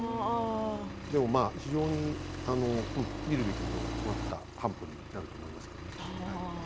でも非常に見るべきものが詰まった全５話になると思います。